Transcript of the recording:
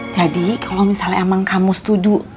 jadi kalau misalnya emang kamu setuju